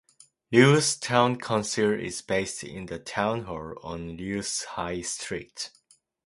Lewes Town Council is based in the Town Hall on Lewes High Street.